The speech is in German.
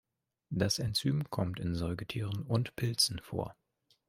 Das Enzym kommt in Säugetieren und Pilzen vor.